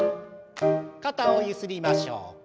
肩をゆすりましょう。